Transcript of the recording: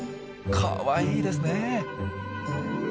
かわいいですねえ！